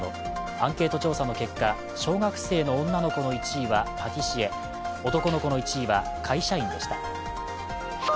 アンケート調査の結果小学生の女の子の１位はパティシエ男の子の１位は会社員でした。